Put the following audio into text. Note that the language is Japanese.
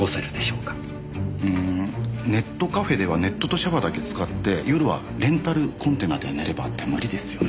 うーんネットカフェではネットとシャワーだけ使って夜はレンタルコンテナで寝ればって無理ですよね。